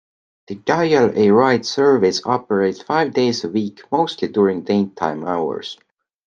The dial-a-ride service operates five days a week, mostly during daytime hours.